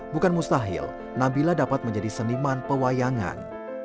bukan mustahil nabila dapat menjadi seniman pewayangan